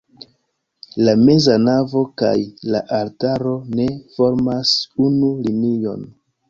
La meza navo kaj la altaro ne formas unu linion.